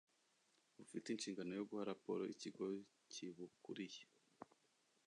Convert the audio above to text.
bufite inshingano yo guha raporo ikigo kibukuriye